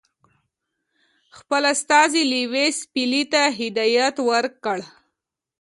خپل استازي لیویس پیلي ته هدایت ورکړ.